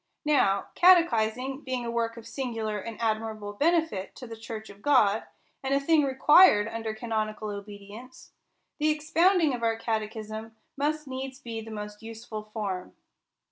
Now catechising being a work of singular and admirable benefit to the church of God, and a thing required under canonical obedience, the expounding of our catechism must needs be the most useful form.